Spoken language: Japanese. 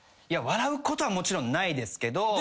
笑うことはもちろんないですけど。